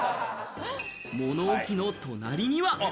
物置の隣には。